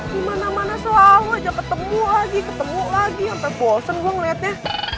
di mana mana selalu aja ketemu lagi ketemu lagi sampai bosen gue ngeliatnya